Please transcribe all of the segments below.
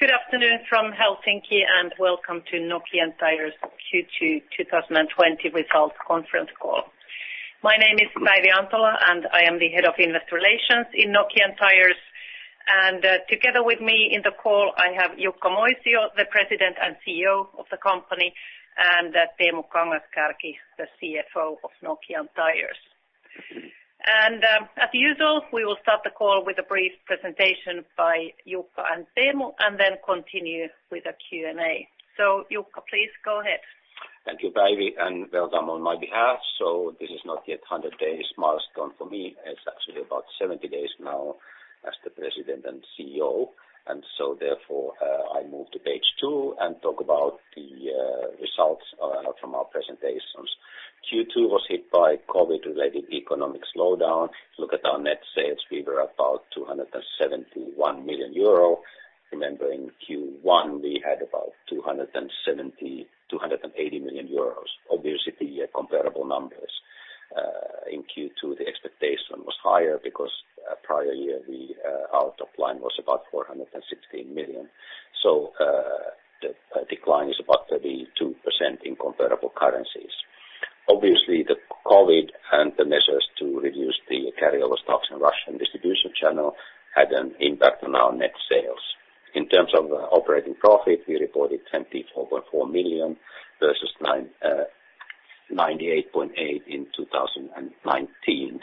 Good afternoon from Helsinki, and welcome to Nokian Tyres Half Year 2020 results conference call. My name is Päivi Antola, and I am the head of investor relations in Nokian Tyres. And together with me in the call, I have Jukka Moisio, the President and CEO of the company, and Teemu Kangas-Kärki, the CFO of Nokian Tyres. And as usual, we will start the call with a brief presentation by Jukka and Teemu, and then continue with a Q&A. So Jukka, please go ahead. Thank you, Päivi, and welcome on my behalf. So this is not yet a 100-day milestone for me. It's actually about 70 days now as the President and CEO, and so therefore, I move to page two and talk about the results from our presentations. Q2 was hit by COVID-related economic slowdown. Look at our net sales. We were about 271 million euro. Remember in Q1, we had about 280 million euros. Obviously, they are comparable numbers. In Q2, the expectation was higher because the prior year Q2 line was about 416 million. So the decline is about 32% in comparable currencies. Obviously, the COVID and the measures to reduce the carryover stocks in Russia and distribution channel had an impact on our net sales. In terms of operating profit, we reported 24.4 million versus 98.8 million in 2019.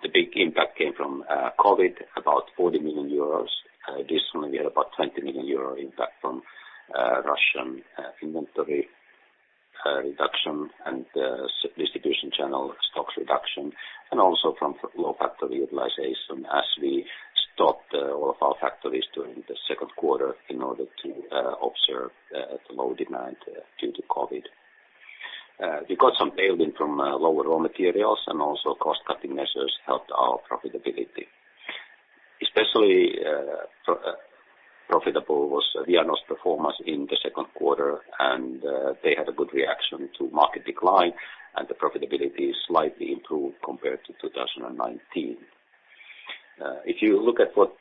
The big impact came from COVID, about 40 million euros. Additionally, we had about 20 million euro impact from Russian inventory reduction and distribution channel stocks reduction, and also from low factory utilization as we stopped all of our factories during the second quarter in order to observe the low demand due to COVID. We got some benefit from lower raw materials, and also cost-cutting measures helped our profitability. Especially profitable was Vianor's performance in the second quarter, and they had a good reaction to market decline, and the profitability slightly improved compared to 2019. If you look at what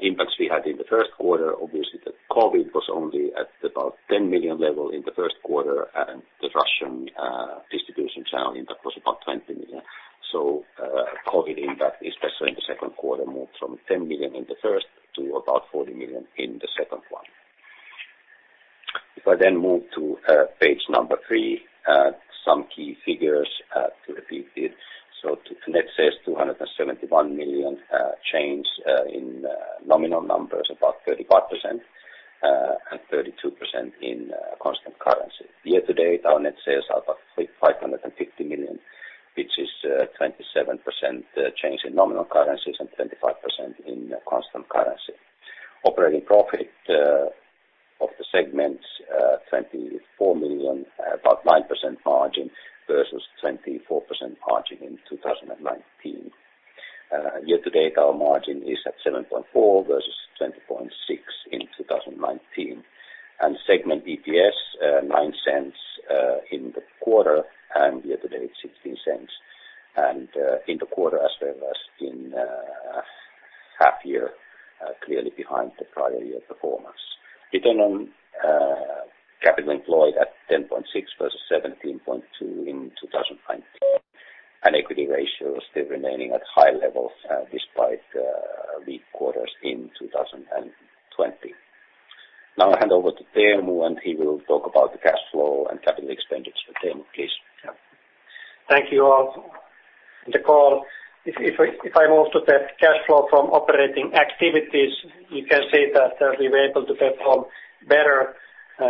impacts we had in the first quarter, obviously the COVID was only at about 10 million level in the first quarter, and the Russian distribution channel impact was about 20 million, so COVID impact, especially in the second quarter, moved from 10 million in the first to about 40 million in the second one. If I then move to page number three, some key figures to repeat it. So net sales 271 million change in nominal numbers, about 35%, and 32% in constant currency. Year to date, our net sales are about 550 million, which is a 27% change in nominal currencies and 25% in constant currency. Operating profit of the segment, 24 million, about 9% margin versus 24% margin in 2019. Year to date, our margin is at 7.4% versus 20.6% in 2019. And segment EPS, 0.09 in the quarter, and year to date 0.16. And in the quarter as well as in half year, clearly behind the prior year performance. Return on capital employed at 10.6% versus 17.2% in 2019. And equity ratio is still remaining at high levels despite weak quarters in 2020. Now I'll hand over to Teemu, and he will talk about the cash flow and capital expenditure. Teemu, please. Thank you all for the call. If I move to the cash flow from operating activities, you can see that we were able to perform better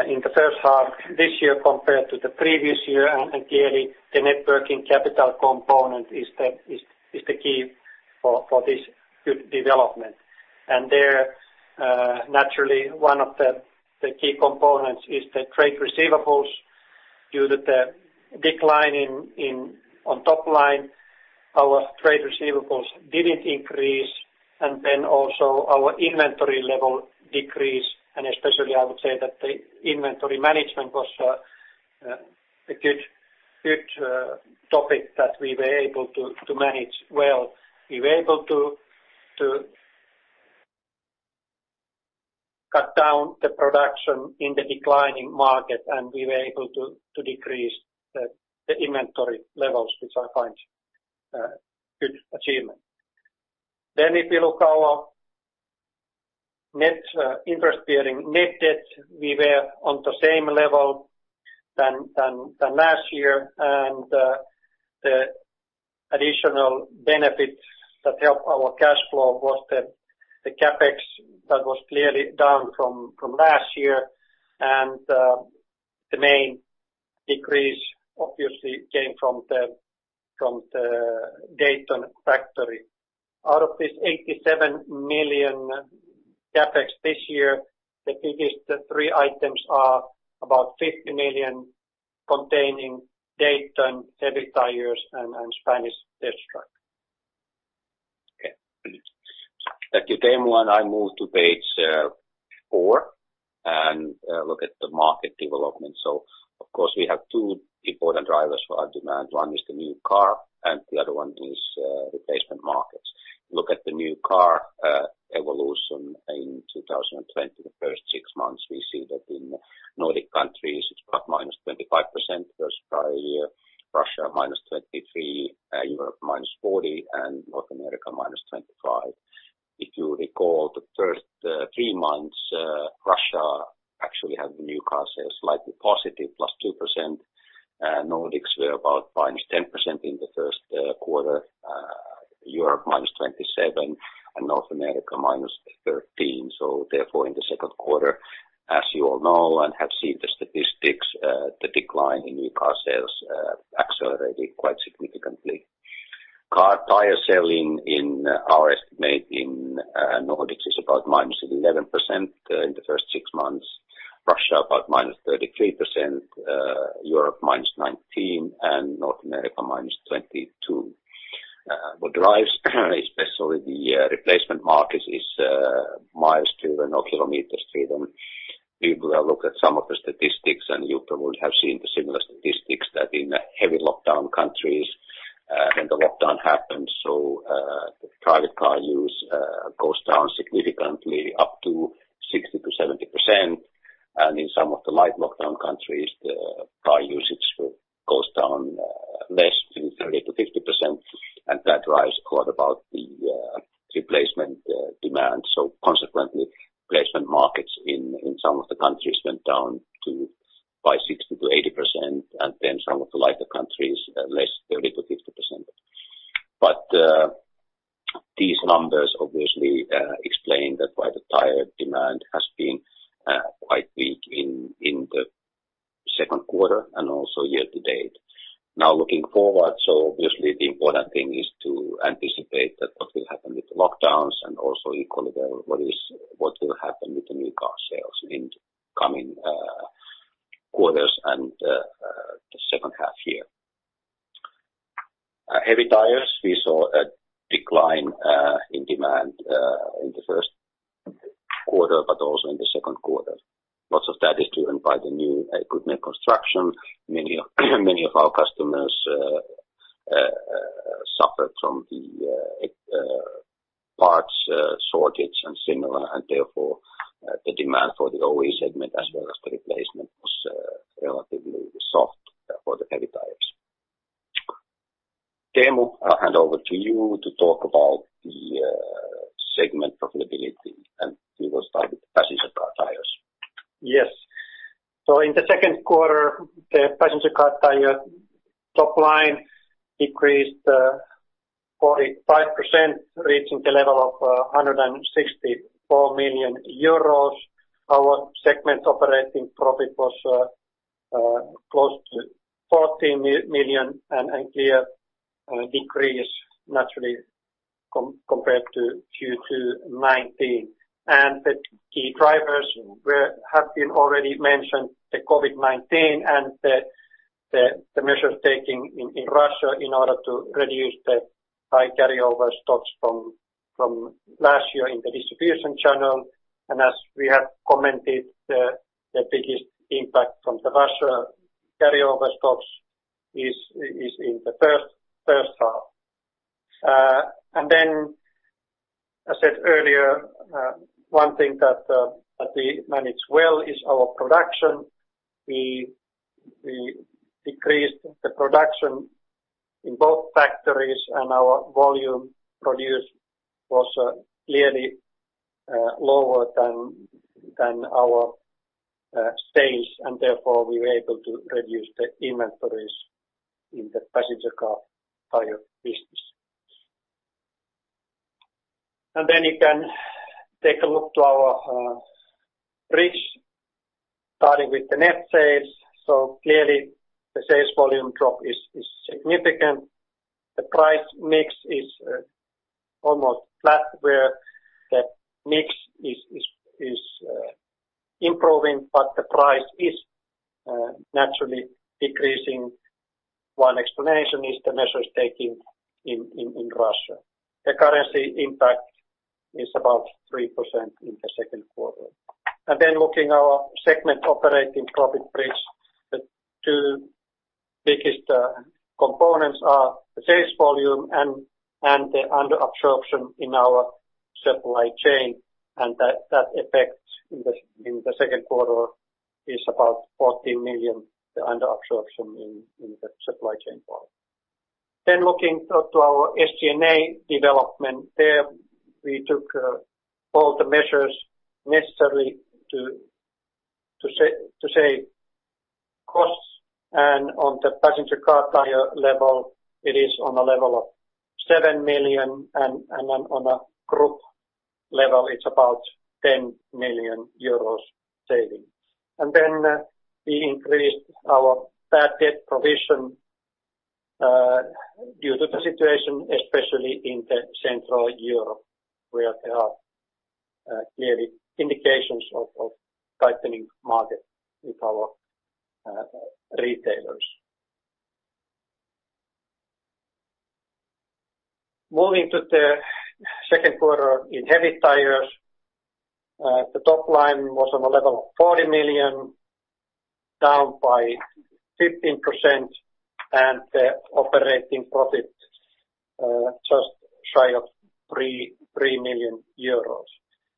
in the first half this year compared to the previous year, and clearly, the net working capital component is the key for this good development, and there, naturally, one of the key components is the trade receivables. Due to the decline on top line, our trade receivables didn't increase, and then also our inventory level decreased, and especially, I would say that the inventory management was a good topic that we were able to manage well. We were able to cut down the production in the declining market, and we were able to decrease the inventory levels, which I find a good achievement, then if you look at our net interest-bearing net debt, we were on the same level than last year. The additional benefit that helped our cash flow was the CAPEX that was clearly down from last year. The main decrease, obviously, came from the Dayton factory. Out of this 87 million CAPEX this year, the biggest three items are about 50 million containing Dayton, Heavy Tyres, and Spanish test track. Thank you, Teemu. And I move to page four and look at the market development. So of course, we have two important drivers for our demand. One is the new car, and the other one is replacement markets. Look at the new car evolution in 2020. The first six months, we see that in Nordic countries, it's about minus 25% versus prior year. Russia, minus 23%, Europe minus 40%, and North America, minus 25%. If you recall, the first three months, Russia actually had the new car sales slightly positive, plus 2%. Nordics were about minus 10% in the first quarter. Europe, minus 27%, and North America, minus 13%. So therefore, in the second quarter, as you all know and have seen the statistics, the decline in new car sales accelerated quite significantly. Car tire selling, in our estimate, in Nordics is about minus 11% in the first six months. Russia, about -33%. Europe, -19%, and North America, -22%. What drives, especially the replacement market, is miles driven or kilometers driven. We will look at some of the statistics, and you probably have seen the similar statistics that in heavy lockdown countries, when the lockdown happens, so the private car use goes down significantly, up to 60%-70%. And in some of the light lockdown countries, the car usage goes down less than 30%-50%, and that drives quite a lot about the replacement demand. So consequently, replacement markets in some of the countries went down by 60%-80%, and then some of the lighter countries less 30%-50%. But these numbers obviously explain that why the tire demand has been quite weak in the second quarter and also year to date. Now looking forward, so obviously the important thing is to anticipate that what will happen with the lockdowns and also equally what will happen with the new car sales in the coming quarters and the second half year. Heavy tires, we saw a decline in demand in the first quarter, but also in the second quarter. Lots of that is driven by the new equipment construction. Many of our customers suffered from the parts shortage and similar, and therefore the demand for the OE segment as well as the replacement was relatively soft for the heavy tires. Teemu, I'll hand over to you to talk about the segment profitability, and we will start with the passenger car tires. Yes. So in the second quarter, the passenger car tire top line decreased 45%, reaching the level of 164 million euros. Our segment operating profit was close to 14 million and a clear decrease, naturally compared to Q2 2019. And the key drivers have been already mentioned, the COVID-19 and the measures taken in Russia in order to reduce the high carryover stocks from last year in the distribution channel. And as we have commented, the biggest impact from the Russia carryover stocks is in the first half. And then, as I said earlier, one thing that we managed well is our production. We decreased the production in both factories, and our volume produced was clearly lower than our sales, and therefore we were able to reduce the inventories in the passenger car tire business. And then you can take a look at our results, starting with the net sales. So clearly, the sales volume drop is significant. The price mix is almost flat, where the mix is improving, but the price is naturally decreasing. One explanation is the measures taken in Russia. The currency impact is about 3% in the second quarter. And then looking at our segment operating profit risk, the two biggest components are the sales volume and the underabsorption in our supply chain. And that effect in the second quarter is about 14 million, the underabsorption in the supply chain part. Then looking to our SG&A development, there we took all the measures necessary to save costs. And on the passenger car tire level, it is on a level of 7 million, and on a group level, it's about 10 million euros saving. And then we increased our bad debt provision due to the situation, especially in Central Europe, where there are clearly indications of tightening market with our retailers. Moving to the second quarter in heavy tires, the top line was on a level of 40 million, down by 15%, and the operating profit just shy of 3 million euros.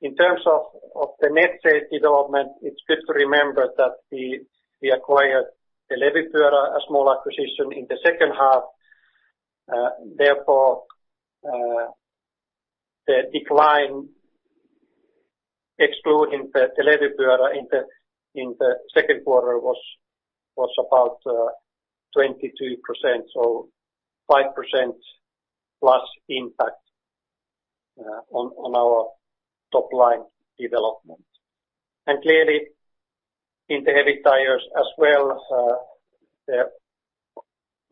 In terms of the net sales development, it's good to remember that we acquired the Levypyörä, a small acquisition in the second half. Therefore, the decline, excluding the Levypyörä in the second quarter, was about 22%, so 5% plus impact on our top line development. And clearly, in the heavy tires as well, the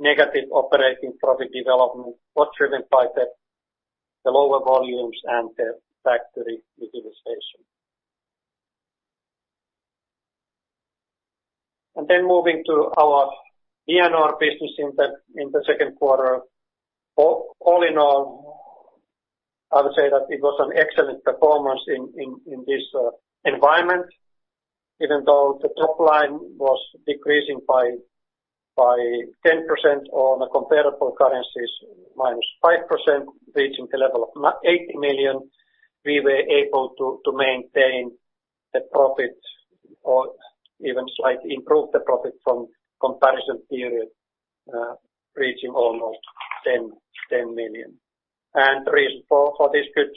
negative operating profit development was driven by the lower volumes and the factory utilization. Then moving to our Vianor business in the second quarter, all in all, I would say that it was an excellent performance in this environment. Even though the top line was decreasing by 10% or on a comparable currencies, minus 5%, reaching the level of 80 million, we were able to maintain the profit or even slightly improve the profit from comparison period, reaching almost 10 million. The reason for this good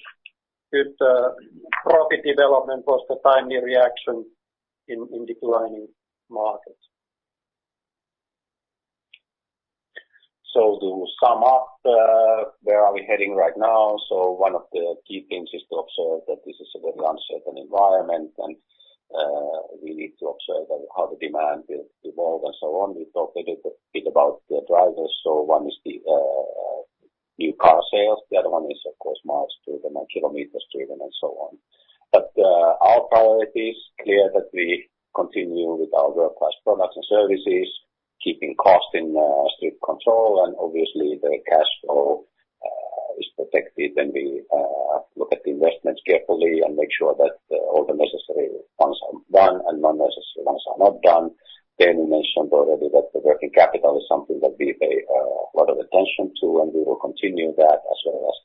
profit development was the timely reaction in declining markets. So to sum up, where are we heading right now? So one of the key things is to observe that this is a very uncertain environment, and we need to observe how the demand will evolve and so on. We talked a bit about the drivers. So one is the new car sales. The other one is, of course, miles driven, kilometers driven, and so on. But our priority is clear that we continue with our world-class products and services, keeping cost in strict control, and obviously, the cash flow is protected. And we look at the investments carefully and make sure that all the necessary ones are done and non-necessary ones are not done. Teemu mentioned already that the working capital is something that we pay a lot of attention to, and we will continue that as well as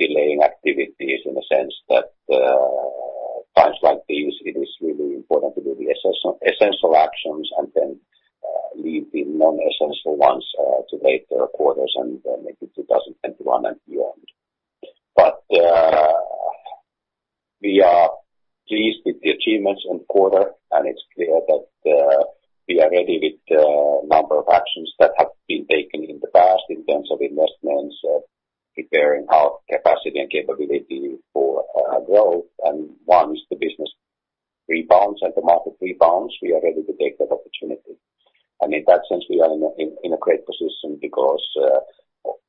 delaying activities in the sense that times like these, it is really important to do the essential actions and then leave the non-essential ones to later quarters and maybe 2021 and beyond. But we are pleased with the achievements in quarter, and it's clear that we are ready with the number of actions that have been taken in the past in terms of investments, preparing our capacity and capability for growth. And once the business rebounds and the market rebounds, we are ready to take that opportunity. And in that sense, we are in a great position because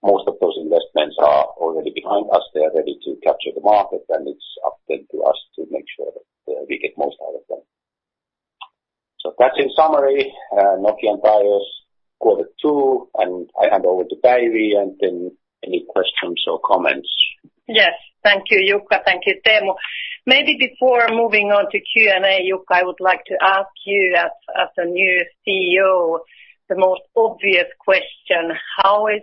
most of those investments are already behind us. They are ready to capture the market, and it's up then to us to make sure that we get most out of them. So that's in summary, Nokian Tyres quarter two, and I hand over to Päivi Antola, any questions or comments? Yes. Thank you, Jukka. Thank you, Teemu. Maybe before moving on to Q&A, Jukka, I would like to ask you, as a new CEO, the most obvious question: how is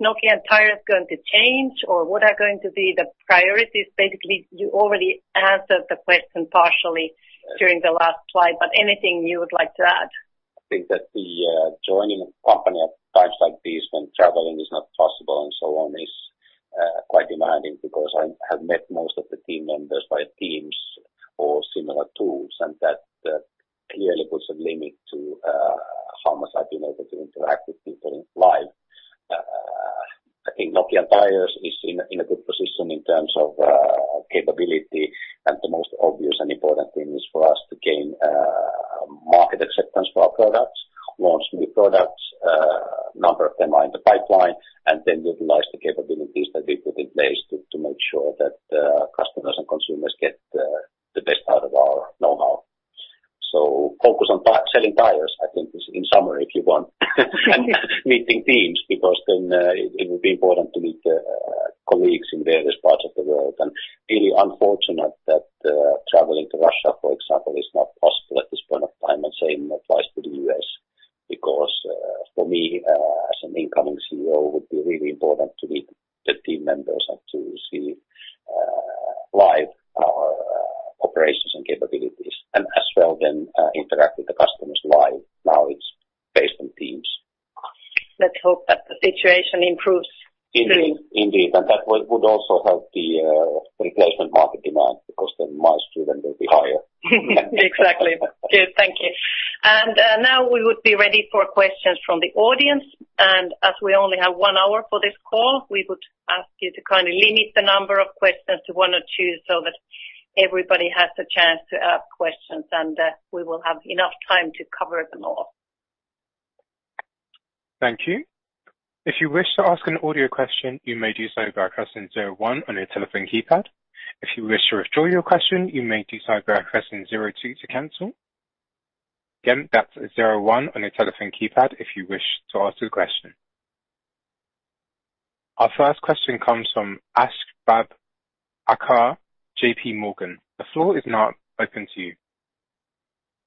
Nokian Tyres going to change, or what are going to be the priorities? Basically, you already answered the question partially during the last slide, but anything you would like to add? I think that the joining a company at times like these, when traveling is not possible and so on, is quite demanding because I have met most of the team members via Teams or similar tools, and that clearly puts a limit to how much I've been able to interact with people live. I think Nokian Tyres is in a good position in terms of capability, and the most obvious and important thing is for us to gain market acceptance for our products, launch new products, a number of them are in the pipeline, and then utilize the capabilities that we put in place to make sure that customers and consumers get the best out of our know-how. So focus on selling tires, I think, is in summary, if you want, and meeting teams because then it will be important to meet colleagues in various parts of the world. Really unfortunate that traveling to Russia, for example, is not possible at this point of time, and same applies to the U.S. because for me, as an incoming CEO, it would be really important to meet the team members and to see live our operations and capabilities and as well then interact with the customers live. Now it's based on Teams. Let's hope that the situation improves. Indeed, and that would also help the replacement market demand because then the studding will be higher. Exactly. Good. Thank you. And now we would be ready for questions from the audience. And as we only have one hour for this call, we would ask you to kind of limit the number of questions to one or two so that everybody has a chance to ask questions, and we will have enough time to cover them all. Thank you. If you wish to ask an audio question, you may do so by pressing zero one on your telephone keypad. If you wish to withdraw your question, you may do so by pressing zero two to cancel. Again, that's zero one on your telephone keypad if you wish to ask a question. Our first question comes from Akshat Kacker, J.P. Morgan. The floor is now open to you.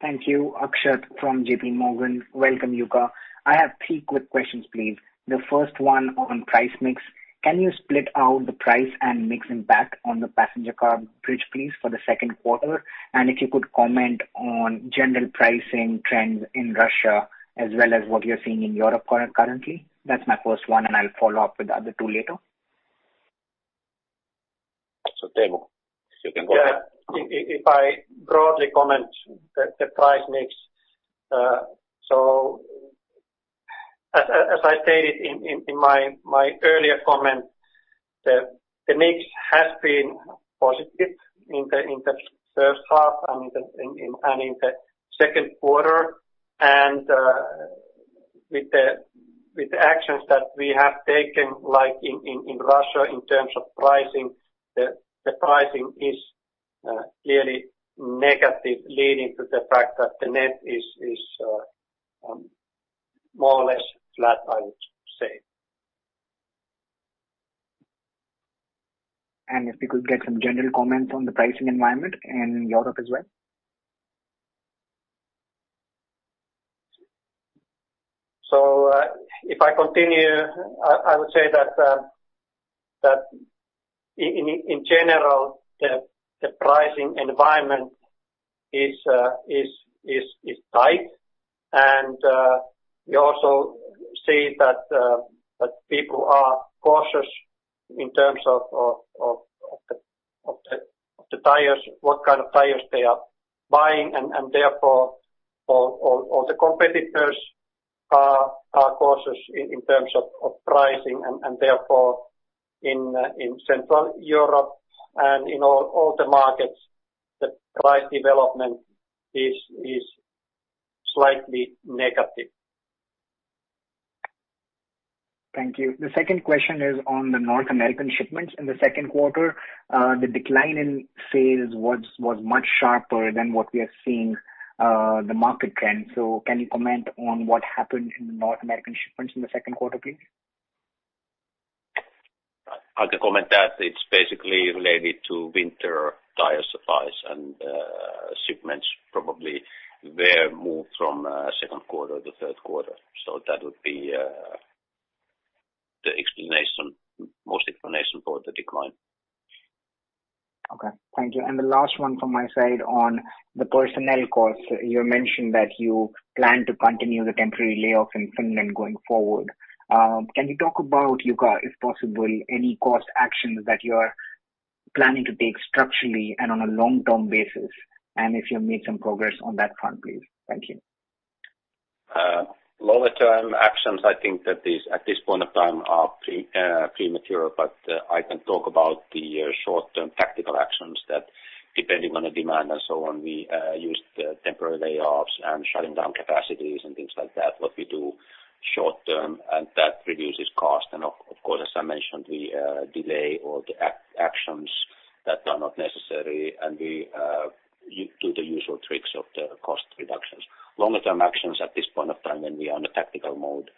Thank you. Akshat from J.P. Morgan. Welcome, Jukka. I have three quick questions, please. The first one on price mix. Can you split out the price and mixing back on the passenger car bridge, please, for the second quarter? And if you could comment on general pricing trends in Russia as well as what you're seeing in Europe currently? That's my first one, and I'll follow up with the other two later. So, Teemu, you can go ahead. Yeah. If I broadly comment the price mix, so as I stated in my earlier comment, the mix has been positive in the first half and in the second quarter, and with the actions that we have taken in Russia in terms of pricing, the pricing is clearly negative, leading to the fact that the net is more or less flat, I would say. If we could get some general comments on the pricing environment in Europe as well. So if I continue, I would say that in general, the pricing environment is tight, and we also see that people are cautious in terms of the tires, what kind of tires they are buying, and therefore all the competitors are cautious in terms of pricing. And therefore, in Central Europe and in all the markets, the price development is slightly negative. Thank you. The second question is on the North American shipments. In the second quarter, the decline in sales was much sharper than what we have seen in the market trend. So can you comment on what happened in the North American shipments in the second quarter, please? I can comment that it's basically related to winter tire supplies, and shipments probably were moved from second quarter to third quarter. So that would be the most explanation for the decline. Okay. Thank you. And the last one from my side on the personnel costs. You mentioned that you plan to continue the temporary layoffs in Finland going forward. Can you talk about, Jukka, if possible, any cost actions that you're planning to take structurally and on a long-term basis? And if you've made some progress on that front, please. Thank you. Longer-term actions, I think that at this point of time are premature, but I can talk about the short-term tactical actions that, depending on the demand and so on, we use the temporary layoffs and shutting down capacities and things like that, what we do short-term, and that reduces cost, and of course, as I mentioned, we delay all the actions that are not necessary, and we do the usual tricks of the cost reductions. Longer-term actions at this point of time when we are in a tactical mode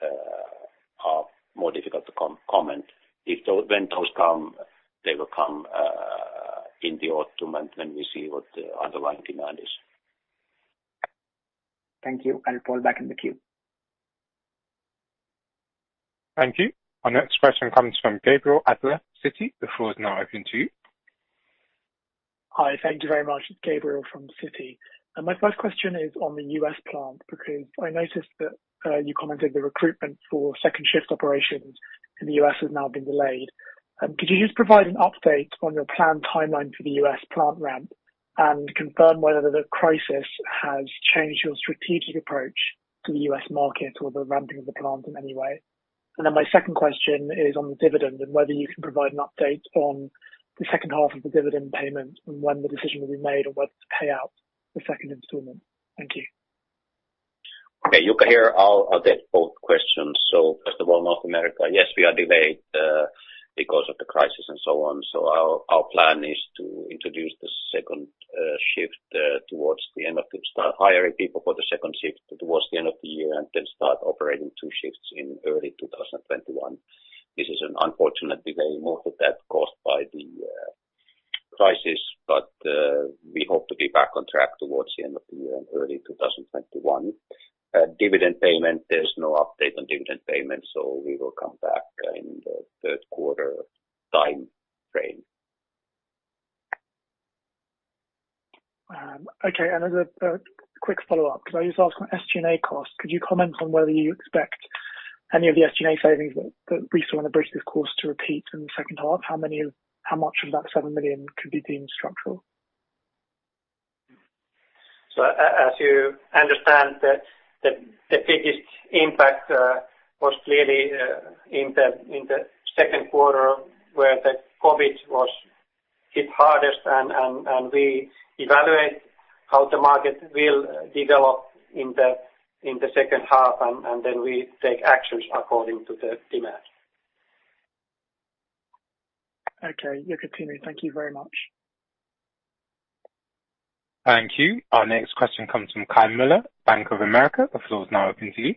are more difficult to comment. When those come, they will come in the autumn when we see what the underlying demand is. Thank you. I'll fall back in the queue. Thank you. Our next question comes from Gabriel Adler, Citi. The floor is now open to you. Hi. Thank you very much, Gabriel from Citi. And my first question is on the U.S. plant because I noticed that you commented the recruitment for second shift operations in the U.S. has now been delayed. Could you just provide an update on your planned timeline for the U.S. plant ramp and confirm whether the crisis has changed your strategic approach to the U.S. market or the ramping of the plant in any way? And then my second question is on the dividend and whether you can provide an update on the second half of the dividend payment and when the decision will be made on whether to pay out the second installment. Thank you. Okay. Jukka, here, I'll take both questions. So first of all, North America, yes, we are delayed because of the crisis and so on. So our plan is to introduce the second shift towards the end of the year, hiring people for the second shift towards the end of the year and then start operating two shifts in early 2021. This is an unfortunate delay, most of that caused by the crisis, but we hope to be back on track towards the end of the year and early 2021. Dividend payment, there's no update on dividend payment, so we will come back in the third quarter time frame. Okay. Another quick follow-up because I just asked on SG&A costs. Could you comment on whether you expect any of the SG&A savings that we saw in the first quarter to repeat in the second half? How much of that 7 million could be deemed structural? So as you understand, the biggest impact was clearly in the second quarter where the COVID hit hardest, and we evaluate how the market will develop in the second half, and then we take actions according to the demand. Okay. Jukka, Teemu, thank you very much. Thank you. Our next question comes from Kai Mueller, Bank of America. The floor is now open to you.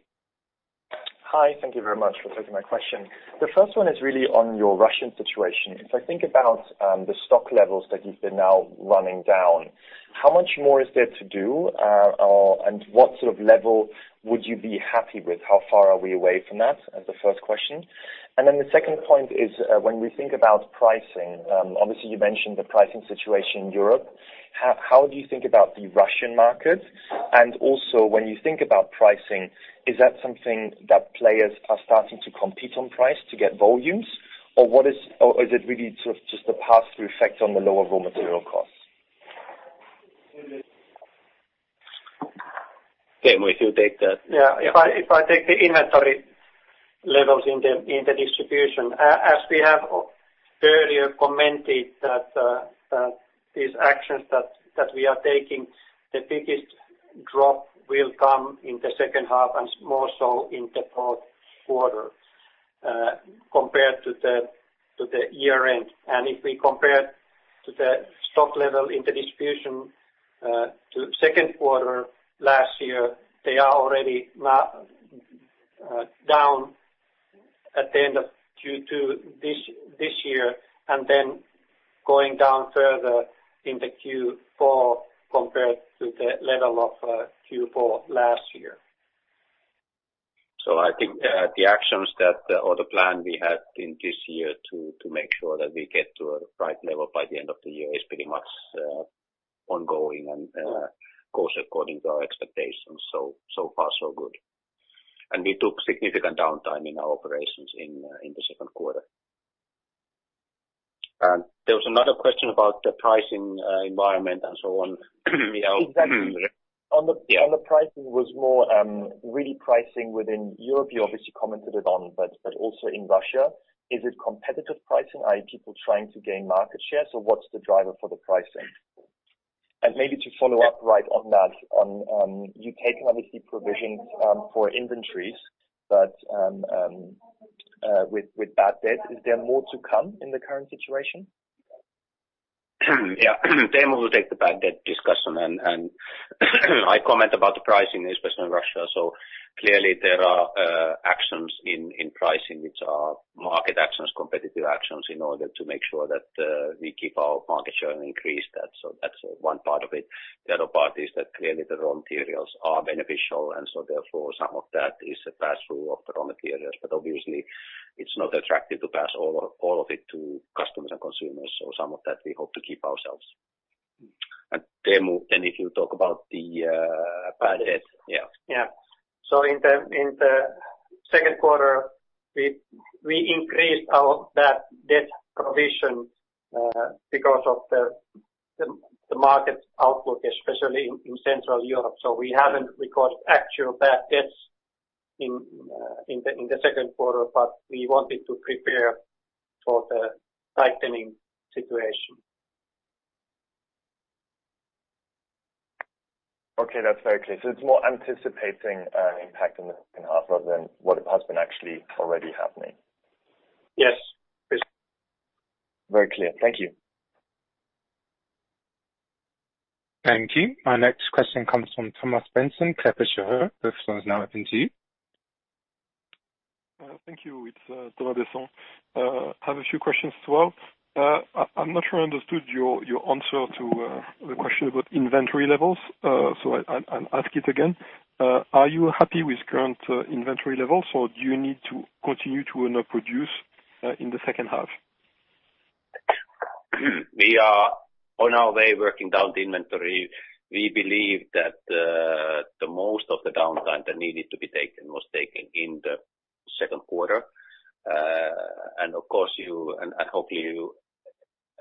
Hi. Thank you very much for taking my question. The first one is really on your Russian situation. If I think about the stock levels that you've been now running down, how much more is there to do, and what sort of level would you be happy with? How far are we away from that as the first question? And then the second point is when we think about pricing, obviously, you mentioned the pricing situation in Europe. How do you think about the Russian market? And also, when you think about pricing, is that something that players are starting to compete on price to get volumes, or is it really sort of just a pass-through effect on the lower raw material costs? Teemu, if you take the. Yeah. If I take the inventory levels in the distribution, as we have earlier commented that these actions that we are taking, the biggest drop will come in the second half and more so in the third quarter compared to the year-end. And if we compare the stock level in the distribution to the second quarter last year, they are already now down at the end of Q2 this year and then going down further in the Q4 compared to the level of Q4 last year. So I think the actions or the plan we had in this year to make sure that we get to a right level by the end of the year is pretty much ongoing and goes according to our expectations. So far, so good. And we took significant downtime in our operations in the second quarter. There was another question about the pricing environment and so on. Exactly. Yeah. On the pricing, it was more really pricing within Europe. You obviously commented on it, but also in Russia. Is it competitive pricing? Are people trying to gain market share? So what's the driver for the pricing? And maybe to follow up right on that, you've taken obviously provisions for inventories, but with bad debt, is there more to come in the current situation? Yeah. Teemu, we'll take the bad debt discussion, and I comment about the pricing, especially in Russia. So clearly, there are actions in pricing which are market actions, competitive actions in order to make sure that we keep our market share and increase that. So that's one part of it. The other part is that clearly the raw materials are beneficial, and so therefore some of that is a pass-through of the raw materials. But obviously, it's not attractive to pass all of it to customers and consumers. So some of that we hope to keep ourselves. And Teemu, then if you talk about the bad debt, yeah. Yeah, so in the second quarter, we increased our bad debt provision because of the market outlook, especially in Central Europe, so we haven't recorded actual bad debts in the second quarter, but we wanted to prepare for the tightening situation. Okay. That's very clear. So it's more anticipating an impact in the second half rather than what has been actually already happening. Yes. Very clear. Thank you. Thank you. Our next question comes from Thomas Besson, Kepler Cheuvreux. The floor is now open to you. Thank you. It's Thomas Besson. I have a few questions as well. I'm not sure I understood your answer to the question about inventory levels. So I'll ask it again. Are you happy with current inventory levels, or do you need to continue to run or produce in the second half? We are on our way working down the inventory. We believe that most of the downtime that needed to be taken was taken in the second quarter. And of course, and hopefully, you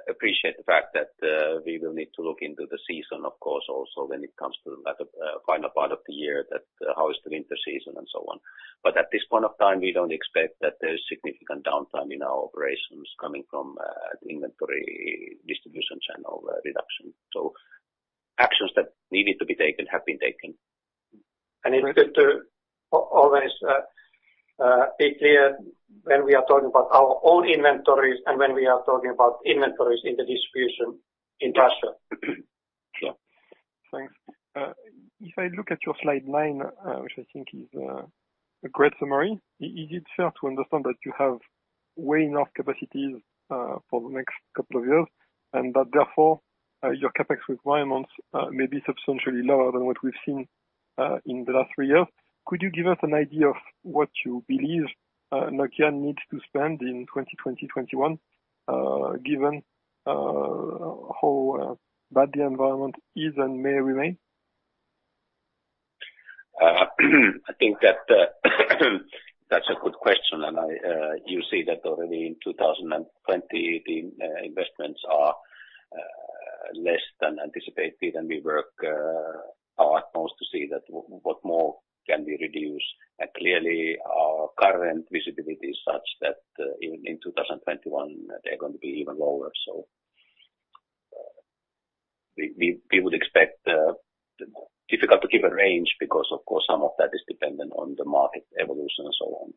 appreciate the fact that we will need to look into the season, of course, also when it comes to the final part of the year, how is the winter season, and so on. But at this point of time, we don't expect that there is significant downtime in our operations coming from the inventory distribution channel reduction. So actions that needed to be taken have been taken. It's good to always be clear when we are talking about our own inventories and when we are talking about inventories in the distribution in Russia. Yeah. Thanks. If I look at your slide 9, which I think is a great summary, is it fair to understand that you have way enough capacities for the next couple of years and that therefore your CapEx requirements may be substantially lower than what we've seen in the last three years? Could you give us an idea of what you believe Nokian needs to spend in 2020-2021 given how bad the environment is and may remain? I think that's a good question. And you see that already in 2020, the investments are less than anticipated, and we work out most to see what more can be reduced. And clearly, our current visibility is such that in 2021, they're going to be even lower. So we would expect difficult to keep a range because, of course, some of that is dependent on the market evolution and so on.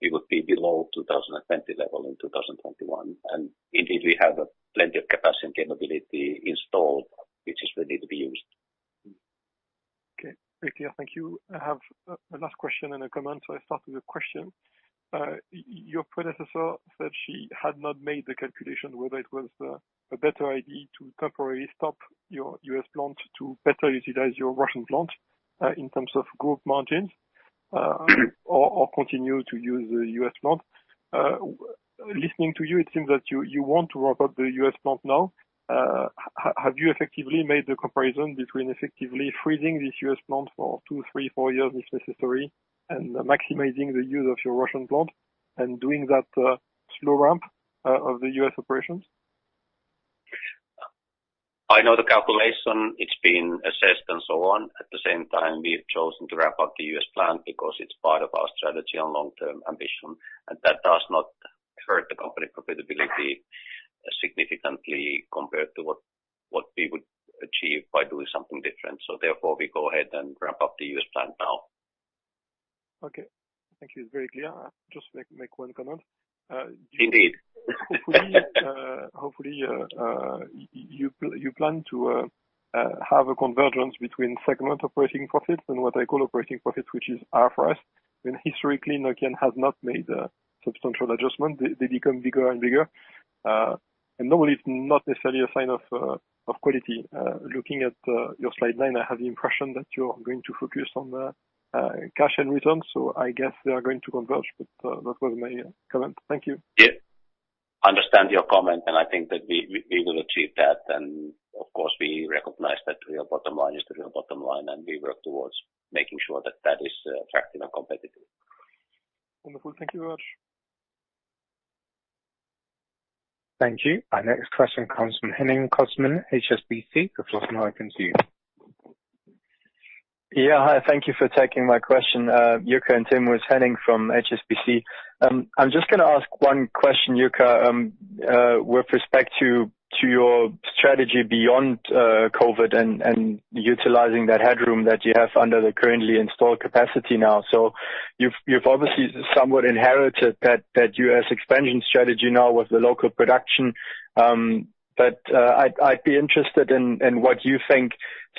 We would be below 2020 level in 2021. And indeed, we have plenty of capacity and capability installed, which is ready to be used. Okay. Thank you. I have a last question and a comment. So I start with a question. Your predecessor said she had not made the calculation whether it was a better idea to temporarily stop your U.S. plant to better utilize your Russian plant in terms of growth margins or continue to use the U.S. plant. Listening to you, it seems that you want to wrap up the U.S. plant now. Have you effectively made the comparison between effectively freezing this U.S. plant for two, three, four years if necessary and maximizing the use of your Russian plant and doing that slow ramp of the U.S. operations? I know the calculation. It's been assessed and so on. At the same time, we've chosen to wrap up the U.S. plant because it's part of our strategy and long-term ambition, and that does not hurt the company's profitability significantly compared to what we would achieve by doing something different, so therefore, we go ahead and wrap up the U.S. plant now. Okay. Thank you. It's very clear. Just make one comment. Indeed. Hopefully, you plan to have a convergence between segment operating profits and what I call operating profits, which is IFRS. When historically, Nokian has not made substantial adjustments, they become bigger and bigger. And normally, it's not necessarily a sign of quality. Looking at your slide nine, I have the impression that you're going to focus on cash and returns. So I guess they are going to converge, but that was my comment. Thank you. Yeah. I understand your comment, and I think that we will achieve that, and of course, we recognize that the real bottom line is the real bottom line, and we work towards making sure that that is attractive and competitive. Wonderful. Thank you very much. Thank you. Our next question comes from Henning Cosman, HSBC. The floor is now open to you. Yeah. Hi. Thank you for taking my question. Jukka and Teemu, it's Henning from HSBC. I'm just going to ask one question, Jukka, with respect to your strategy beyond COVID and utilizing that headroom that you have under the currently installed capacity now. So you've obviously somewhat inherited that US expansion strategy now with the local production. But I'd be interested in what you think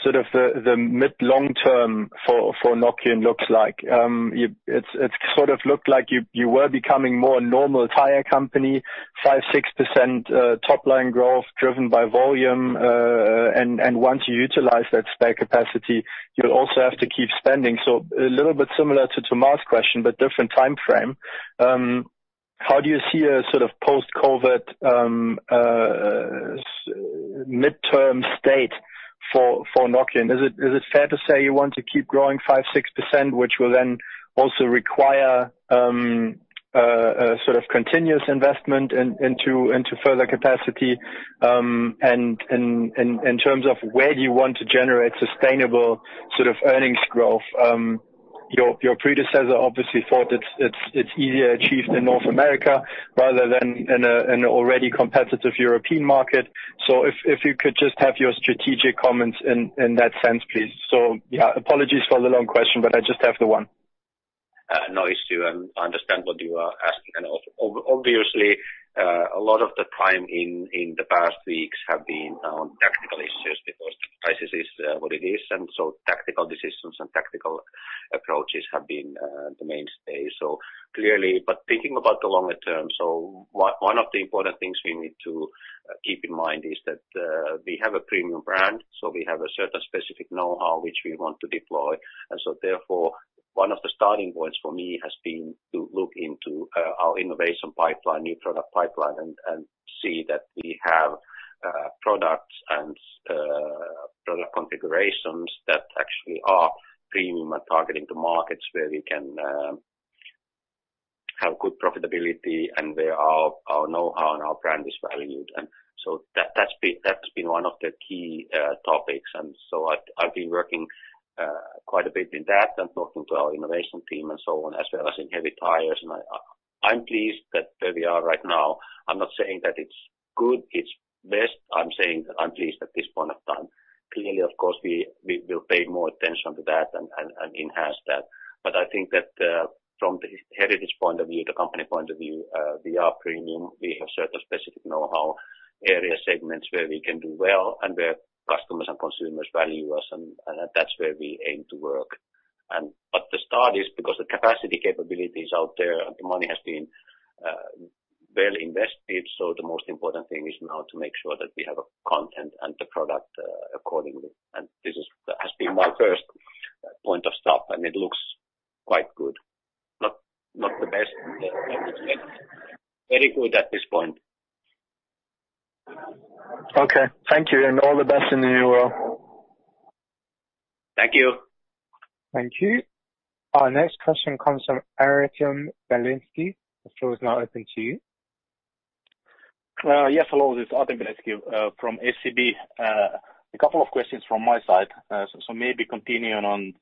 sort of the mid-long term for Nokian looks like. It's sort of looked like you were becoming more a normal tire company, 5%, 6% top-line growth driven by volume. And once you utilize that spare capacity, you'll also have to keep spending. So a little bit similar to Tommy's question, but different time frame. How do you see a sort of post-COVID mid-term state for Nokian? Is it fair to say you want to keep growing 5%, 6%, which will then also require sort of continuous investment into further capacity? And in terms of where do you want to generate sustainable sort of earnings growth? Your predecessor obviously thought it's easier achieved in North America rather than in an already competitive European market. So if you could just have your strategic comments in that sense, please. Yeah, apologies for the long question, but I just have the one. No, it's you. I understand what you are asking. And obviously, a lot of the time in the past weeks have been on technical issues because the crisis is what it is. And so tactical decisions and tactical approaches have been the mainstay. So clearly, but thinking about the longer term, so one of the important things we need to keep in mind is that we have a premium brand. So we have a certain specific know-how which we want to deploy. And so therefore, one of the starting points for me has been to look into our innovation pipeline, new product pipeline, and see that we have products and product configurations that actually are premium and targeting the markets where we can have good profitability and where our know-how and our brand is valued. And so that's been one of the key topics. I've been working quite a bit in that and talking to our innovation team and so on, as well as in heavy tires. I'm pleased that where we are right now. I'm not saying that it's good, it's best. I'm saying that I'm pleased at this point of time. Clearly, of course, we will pay more attention to that and enhance that. I think that from the heritage point of view, the company point of view, we are premium. We have certain specific know-how area segments where we can do well and where customers and consumers value us. That's where we aim to work. The start is because the capacity capability is out there and the money has been well invested. The most important thing is now to make sure that we have content and the product accordingly. This has been my first point of stop, and it looks quite good. Not the best, but very good at this point. Okay. Thank you. And all the best in the new world. Thank you. Thank you. Our next question comes from Artem Beletski. The floor is now open to you. Yes, hello. This is Artem Beletski from SEB. A couple of questions from my side. So maybe continuing on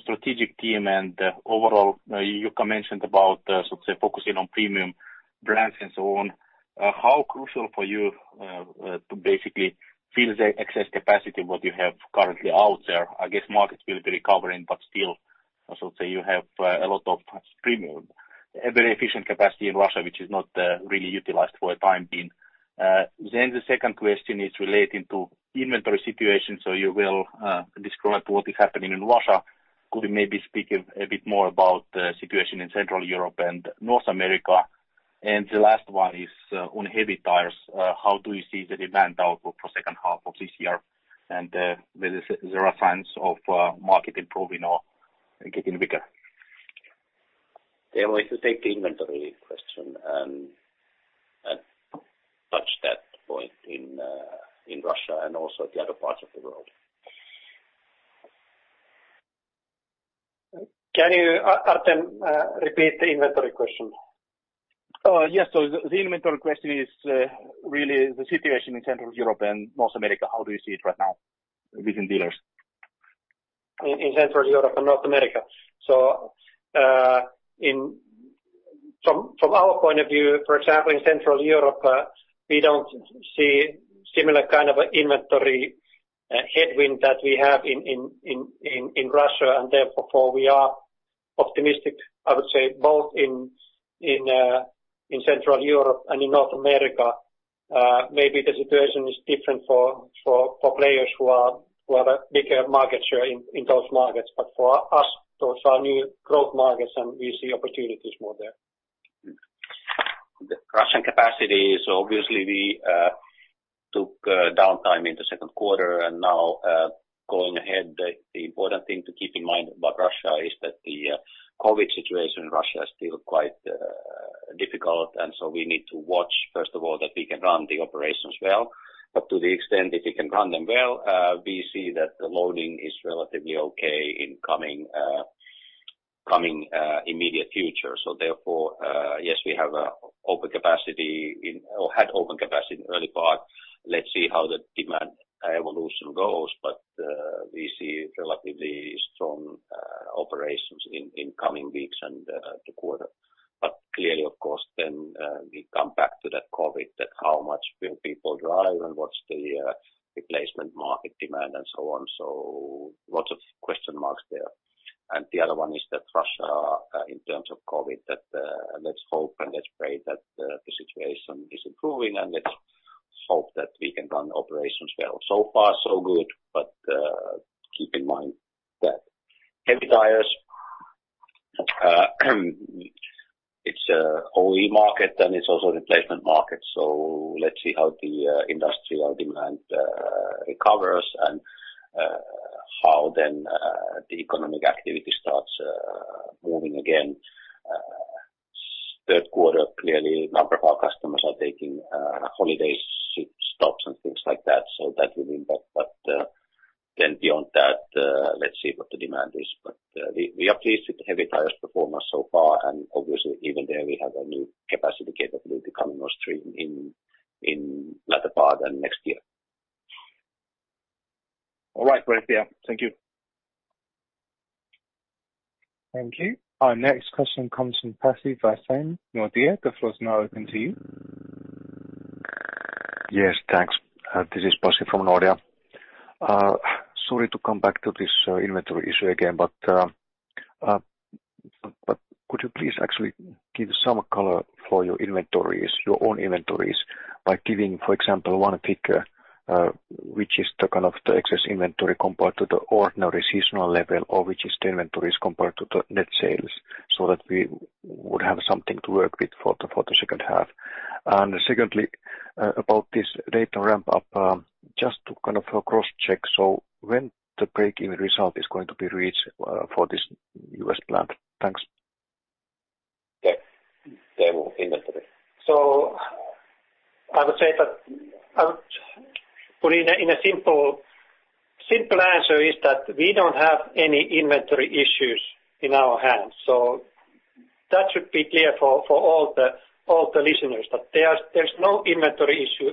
strategic theme and overall, Jukka mentioned about, let's say, focusing on premium brands and so on. How crucial for you to basically fill the excess capacity of what you have currently out there? I guess markets will be recovering, but still, so to speak, you have a lot of premium, very efficient capacity in Russia, which is not really utilized for the time being. Then the second question is relating to inventory situation. So you will describe what is happening in Russia. Could you maybe speak a bit more about the situation in Central Europe and North America? And the last one is on heavy tires. How do you see the demand outlook for the second half of this year? And whether there are signs of market improving or getting bigger? Teemu, if you take the inventory question and touch that point in Russia and also the other parts of the world. Can you, Artem, repeat the inventory question? Yes. So the inventory question is really the situation in Central Europe and North America. How do you see it right now within dealers? In Central Europe and North America? So from our point of view, for example, in Central Europe, we don't see a similar kind of inventory headwind that we have in Russia. And therefore, we are optimistic, I would say, both in Central Europe and in North America. Maybe the situation is different for players who have a bigger market share in those markets. But for us, those are new growth markets, and we see opportunities more there. The Russian capacity is obviously we took downtime in the second quarter. And now going ahead, the important thing to keep in mind about Russia is that the COVID situation in Russia is still quite difficult. And so we need to watch, first of all, that we can run the operations well. But to the extent that we can run them well, we see that the loading is relatively okay in the coming immediate future. So therefore, yes, we have open capacity or had open capacity in the early part. Let's see how the demand evolution goes. But we see relatively strong operations in coming weeks and the quarter. But clearly, of course, then we come back to that COVID, that how much will people drive and what's the replacement market demand and so on. So lots of question marks there. And the other one is that in Russia, in terms of COVID, that let's hope and let's pray that the situation is improving and let's hope that we can run operations well. So far, so good, but keep in mind that heavy tires, it's an OE market and it's also a replacement market. So let's see how the industrial demand recovers and how then the economic activity starts moving again. Third quarter, clearly, a number of our customers are taking holidays, ship stops, and things like that. So that will impact. But then beyond that, let's see what the demand is. But we are pleased with heavy tires' performance so far. And obviously, even there, we have a new capacity capability coming on stream in latter part and next year. All right, gotcha. Thank you. Thank you. Our next question comes from Pasi Väisänen, Nordea. The floor is now open to you. Yes, thanks. This is Pasi from Nordea. Sorry to come back to this inventory issue again, but could you please actually give some color for your inventories, your own inventories, by giving, for example, one figure, which is the kind of the excess inventory compared to the ordinary seasonal level, or which is the inventories compared to the net sales, so that we would have something to work with for the second half, and secondly, about this Dayton ramp-up, just to kind of cross-check, so when the break-even result is going to be reached for this U.S. plant? Thanks. Okay. Teemu, inventory. So I would say that I would put in a simple answer is that we don't have any inventory issues in our hands. So that should be clear for all the listeners, that there's no inventory issue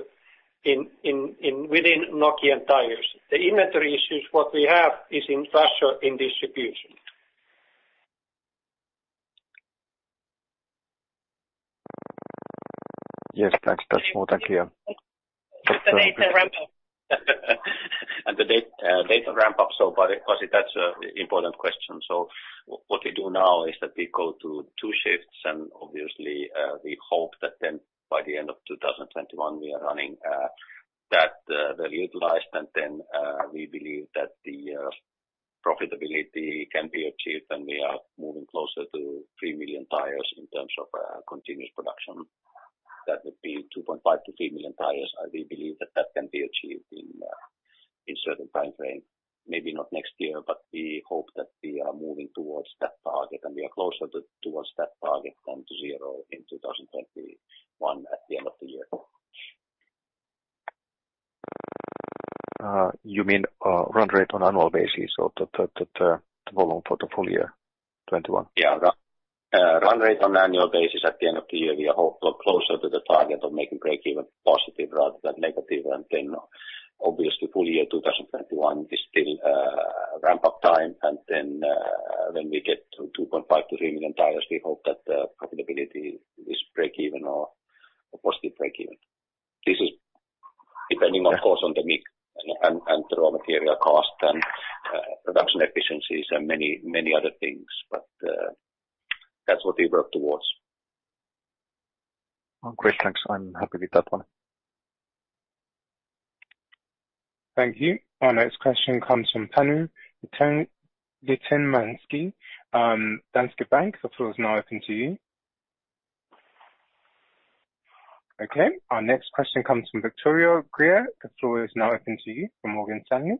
within Nokian Tyres. The inventory issues, what we have, is in Russia in distribution. Yes, thanks. That's all. Thank you. The data ramp-up. The plant ramp-up. Pasi, that is an important question. What we do now is that we go to two shifts. Obviously, we hope that then by the end of 2021, we are running that plant fully utilized. Then we believe that the profitability can be achieved when we are moving closer to 3 million tires in terms of continuous production. That would be 2.5-3 million tires. We believe that that can be achieved in a certain time frame. Maybe not next year, but we hope that we are moving towards that target. We are closer towards that target than to zero in 2021 at the end of the year. You mean run rate on annual basis, or the volume portfolio 2021? Yeah. Run rate on annual basis at the end of the year, we are closer to the target of making break-even positive rather than negative. And then obviously, full year 2021 is still ramp-up time. And then when we get to 2.5-3 million tires, we hope that the profitability is break-even or positive break-even. This is depending, of course, on the mix and the raw material cost and production efficiencies and many other things. But that's what we work towards. One question. Thanks. I'm happy with that one. Thank you. Our next question comes from Panu Laitinmäki. Danske Bank. The floor is now open to you. Okay. Our next question comes from Victoria Greer. The floor is now open to you from Morgan Stanley.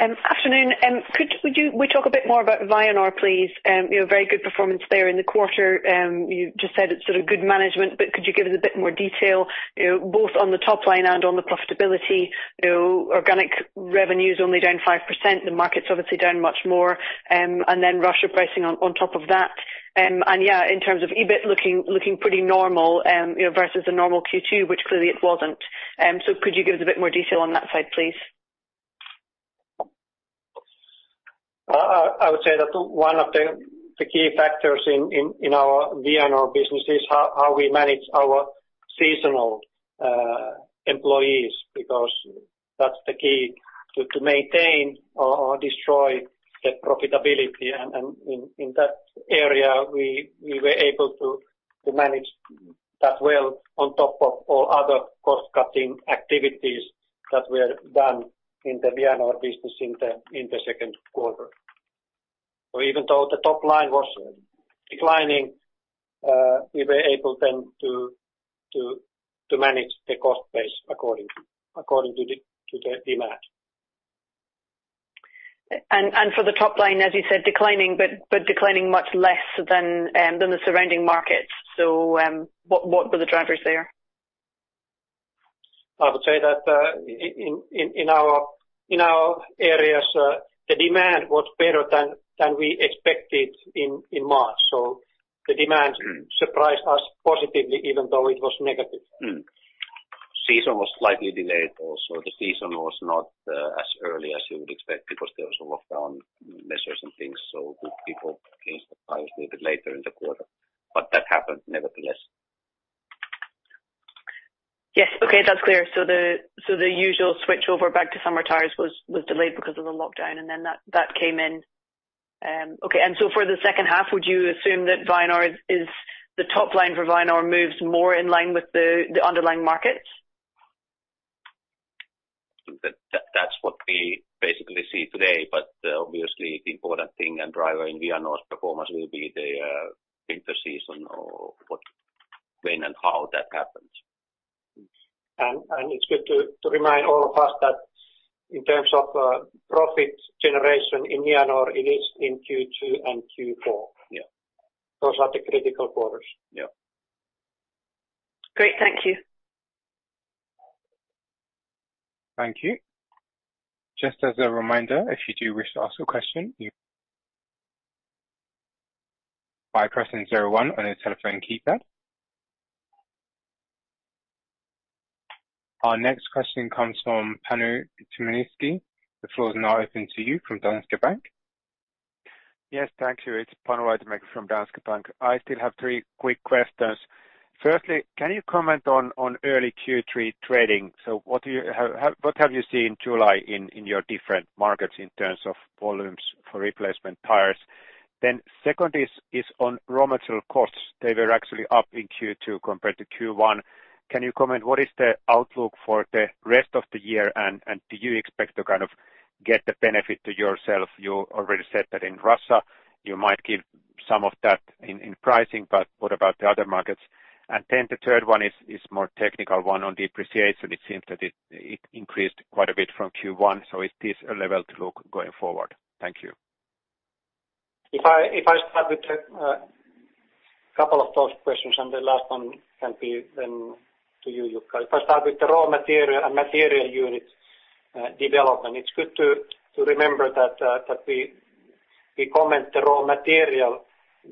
Good afternoon. Could we talk a bit more about Vianor, please? Very good performance there in the quarter. You just said it's sort of good management, but could you give us a bit more detail, both on the top line and on the profitability? Organic revenue is only down 5%. The market's obviously down much more. And then Russia pricing on top of that. And yeah, in terms of EBIT, looking pretty normal versus the normal Q2, which clearly it wasn't. So could you give us a bit more detail on that side, please? I would say that one of the key factors in our Vianor business is how we manage our seasonal employees because that's the key to maintain or destroy the profitability, and in that area, we were able to manage that well on top of all other cost-cutting activities that were done in the Vianor business in the second quarter, so even though the top line was declining, we were able then to manage the cost base according to the demand. For the top line, as you said, declining, but declining much less than the surrounding markets. What were the drivers there? I would say that in our areas, the demand was better than we expected in March. So the demand surprised us positively, even though it was negative. Season was slightly delayed also. The season was not as early as you would expect because there was a lockdown measures and things. So people changed the tires a little bit later in the quarter. But that happened nevertheless. Yes. Okay. That's clear. So the usual switch over back to summer tires was delayed because of the lockdown, and then that came in. Okay. And so for the second half, would you assume that Vianor, the top line for Vianor, moves more in line with the underlying markets? That's what we basically see today. But obviously, the important thing and driver in Vianor's performance will be the winter season or when and how that happens. It's good to remind all of us that in terms of profit generation in Vianor, it is in Q2 and Q4. Those are the critical quarters. Great. Thank you. Thank you. Just as a reminder, if you do wish to ask a question, you can type 01 on your telephone keypad. Our next question comes from Panu Laitinmäki. The floor is now open to you from Danske Bank. Yes, thank you. It's Panu Laitinmäki from Danske Bank. I still have three quick questions. Firstly, can you comment on early Q3 trading? So what have you seen in July in your different markets in terms of volumes for replacement tires? Then, second is on raw material costs. They were actually up in Q2 compared to Q1. Can you comment? What is the outlook for the rest of the year? And do you expect to kind of get the benefit to yourself? You already said that in Russia, you might give some of that in pricing, but what about the other markets? And then the third one is a more technical one on depreciation. It seems that it increased quite a bit from Q1. So is this a level to look going forward? Thank you. If I start with a couple of those questions, and the last one can be then to you, Jukka. If I start with the raw material unit development, it's good to remember that we comment the raw material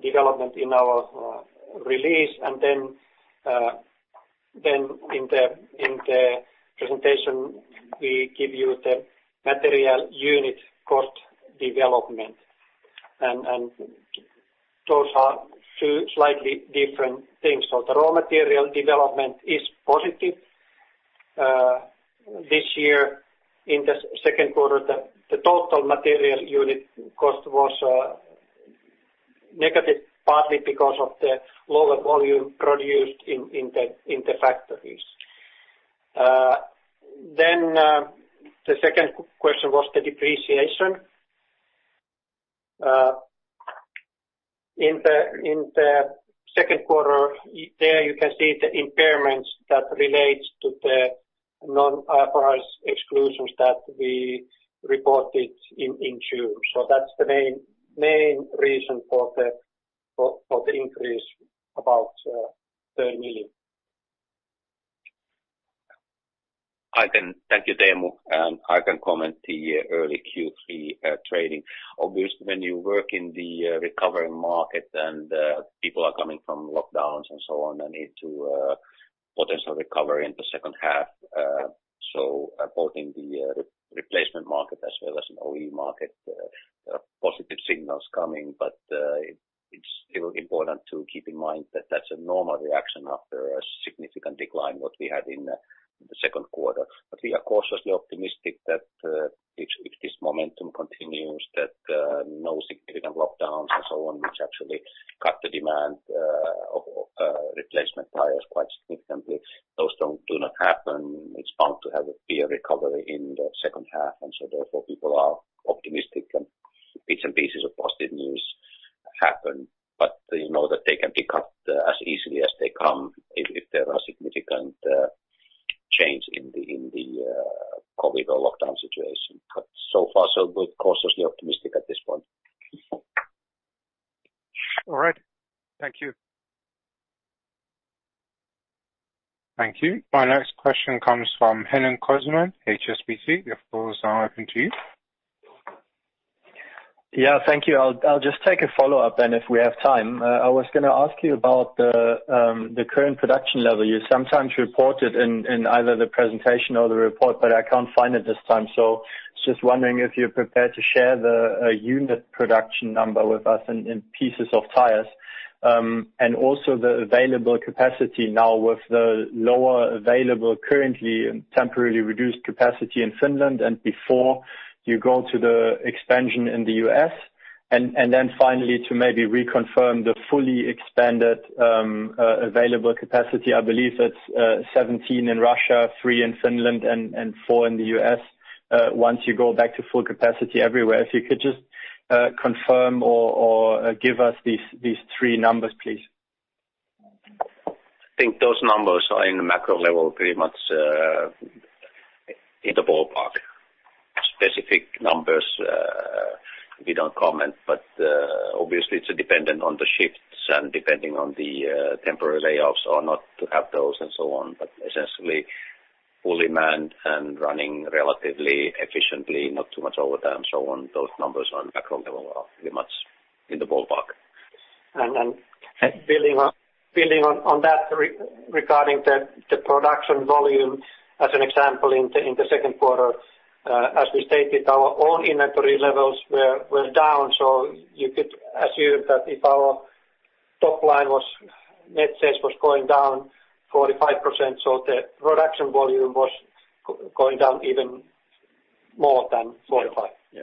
development in our release. And then in the presentation, we give you the material unit cost development. And those are two slightly different things. So the raw material development is positive. This year, in the second quarter, the total material unit cost was negative partly because of the lower volume produced in the factories. Then the second question was the depreciation. In the second quarter, there you can see the impairments that relate to the non-cash exclusions that we reported in June. So that's the main reason for the increase about 30 million. Thank you, Teemu. And I can comment on the early Q3 trading. Obviously, when you work in the recovery market and people are coming from lockdowns and so on and into potential recovery in the second half, so both in the replacement market as well as in OE market, there are positive signals coming. But it's still important to keep in mind that that's a normal reaction after a significant decline what we had in the second quarter. But we are cautiously optimistic that if this momentum continues, that no significant lockdowns and so on, which actually cut the demand of replacement tires quite significantly, those do not happen. It's bound to have a bigger recovery in the second half. And so therefore, people are optimistic and bits and pieces of positive news happen. But you know that they can be cut as easily as they come if there are significant changes in the COVID or lockdown situation. But so far, so good. Cautiously optimistic at this point. All right. Thank you. Thank you. Our next question comes from Henning Cosman, HSBC. The floor is now open to you. Yeah. Thank you. I'll just take a follow-up, Ben, if we have time. I was going to ask you about the current production level. You sometimes report it in either the presentation or the report, but I can't find it this time. So I was just wondering if you're prepared to share the unit production number with us in pieces of tires and also the available capacity now with the lower available currently and temporarily reduced capacity in Finland and before you go to the expansion in the U.S. And then finally, to maybe reconfirm the fully expanded available capacity. I believe it's 17 in Russia, three in Finland, and four in the U.S. once you go back to full capacity everywhere. If you could just confirm or give us these three numbers, please. I think those numbers are in the macro level pretty much in the ballpark. Specific numbers, we don't comment. But obviously, it's dependent on the shifts and depending on the temporary layoffs or not to have those and so on. But essentially, fully manned and running relatively efficiently, not too much overtime and so on, those numbers are in the macro level pretty much in the ballpark. Building on that regarding the production volume as an example in the second quarter, as we stated, our own inventory levels were down. You could assume that if our top line net sales was going down 45%, the production volume was going down even more than 45%. Yeah,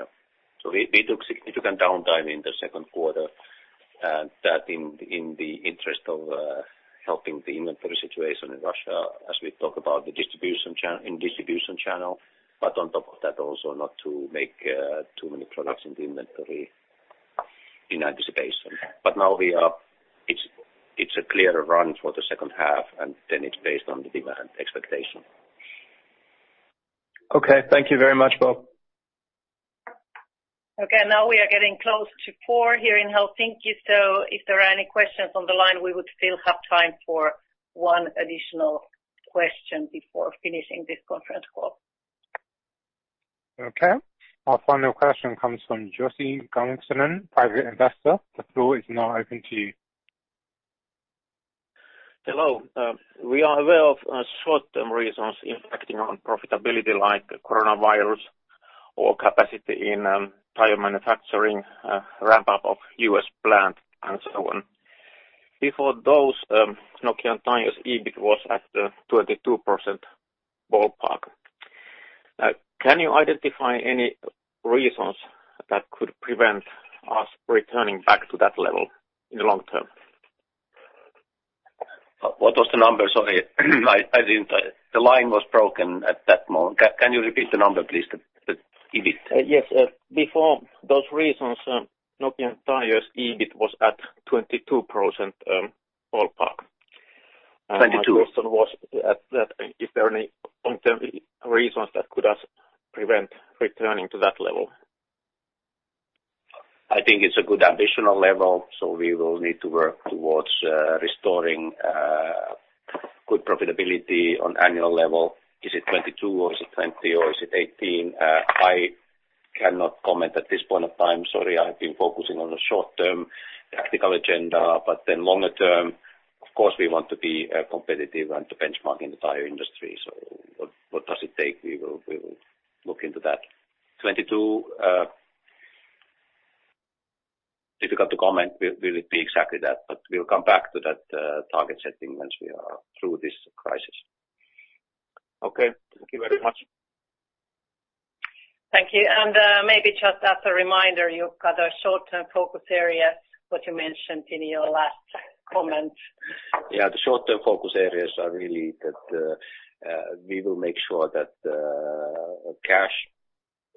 so we took significant downtime in the second quarter and that, in the interest of helping the inventory situation in Russia, as we talked about the distribution channel, but on top of that, also not to make too many products in the inventory in anticipation but now it's a clear run for the second half, and then it's based on the demand expectation. Okay. Thank you very much, Both. Okay. Now we are getting close to 4:00 P.M. here in Helsinki, so if there are any questions on the line, we would still have time for one additional question before finishing this conference call. Okay. Our final question comes from Jussi Kangasinen, private investor. The floor is now open to you. Hello. We are aware of certain reasons impacting on profitability like coronavirus or capacity in tire manufacturing, ramp-up of US plant, and so on. Before those, Nokian Tyres' EBIT was at the 22% ballpark. Can you identify any reasons that could prevent us returning back to that level in the long term? What was the number? Sorry. The line was broken at that moment. Can you repeat the number, please, the EBIT? Yes. Before those reasons, Nokian Tyres' EBIT was at 22% ballpark. 22. The question was, is there any long-term reasons that could prevent returning to that level? I think it's a good ambition on level so we will need to work towards restoring good profitability on annual level. Is it 22, or is it 20, or is it 18? I cannot comment at this point of time. Sorry, I've been focusing on the short-term tactical agenda but then longer term, of course, we want to be competitive and to benchmark in the tire industry so what does it take? We will look into that. 22. Difficult to comment. Will it be exactly that but we'll come back to that target setting as we are through this crisis. Okay. Thank you very much. Thank you, and maybe just as a reminder, Jukka, the short-term focus areas, what you mentioned in your last comment. Yeah. The short-term focus areas are really that we will make sure that cash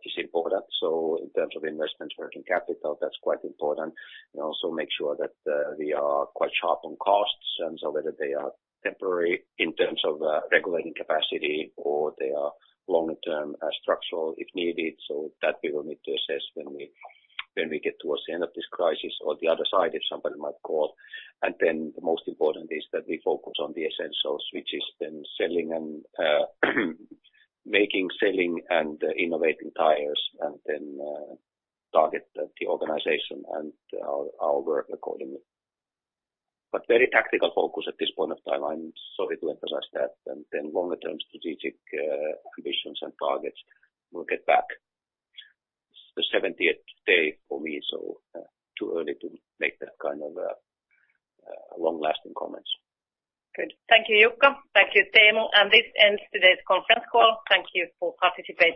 is important. So in terms of investments, working capital, that's quite important. And also make sure that we are quite sharp on costs and so whether they are temporary in terms of regulating capacity or they are longer-term structural if needed. So that we will need to assess when we get towards the end of this crisis or the other side, if somebody might call. And then the most important is that we focus on the essentials, which is then making, selling, and innovating tires, and then target the organization and our work accordingly. But very tactical focus at this point of time. I'm sorry to emphasize that. And then longer-term strategic ambitions and targets. We'll get back. It's the 70th day for me, so too early to make that kind of long-lasting comments. Good. Thank you, Jukka. Thank you, Teemu. And this ends today's conference call. Thank you for participating.